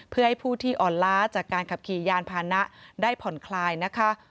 เพื่อให้ผู้ที่อ่อนล้าจากการขับขี่ยานพานะได้ผ่อนคลายนะคะ